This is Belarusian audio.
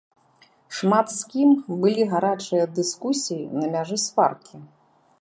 Шмат з кім былі гарачыя дыскусіі на мяжы сваркі.